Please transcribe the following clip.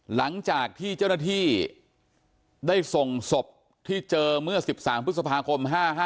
หลังจากที่เจ้าหน้าที่ได้ส่งศพที่เจอเมื่อ๑๓พฤษภาคม๕๕